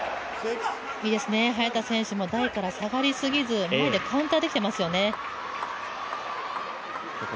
早田選手も台から下がりすぎず前でカウンターで、きてますよね。